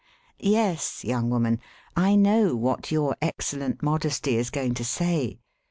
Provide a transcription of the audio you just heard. "Yes, young woman; I know what your ex cellent modesty is going to say.